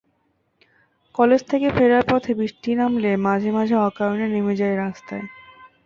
College থেকে ফেরার পথে বৃষ্টি নামলে মাঝে মাঝে অকারণে নেমে যাই রাস্তায়।